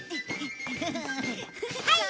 はい！